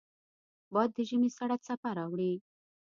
باد د ژمې سړه څپه راوړي